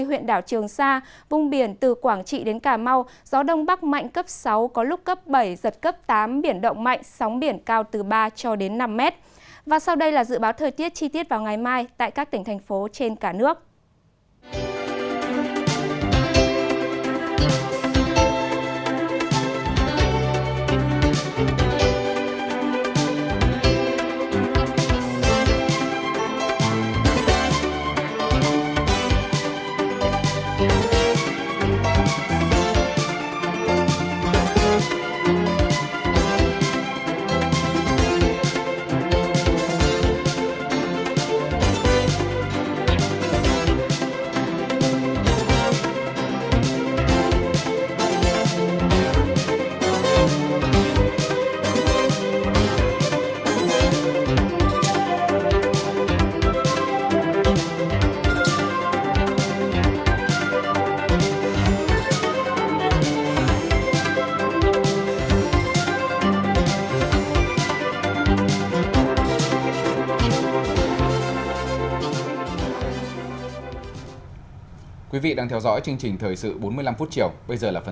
huyện đảo trường sa vùng biển từ quảng trị đến cà mau gió đông bắc mạnh cấp sáu có lúc cấp bảy giật cấp tám